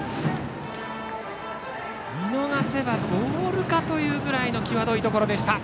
見逃せばボールかというぐらいの際どいところでした。